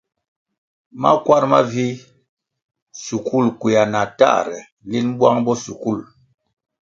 Makwar mavih, shukul kwea na tahre linʼ bwang bo shukul.